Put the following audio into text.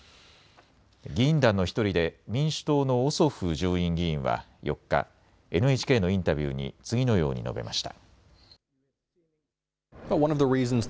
議員団の１人で民主党のオソフ上院議員は４日、ＮＨＫのインタビューに次のように述べました。